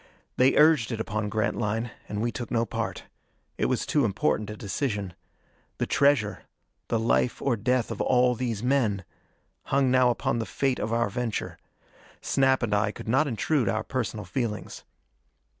They urged it upon Grantline, and we took no part. It was too important a decision. The treasure the life or death of all these men hung now upon the fate of our venture. Snap and I could not intrude our personal feelings.